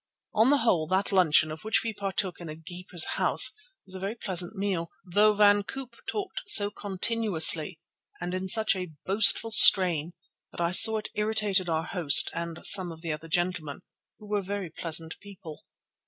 On the whole, that luncheon, of which we partook in a keeper's house, was a very pleasant meal, though Van Koop talked so continuously and in such a boastful strain that I saw it irritated our host and some of the other gentlemen, who were very pleasant people.